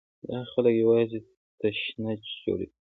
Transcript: دا خلک یوازې تشنج جوړوي.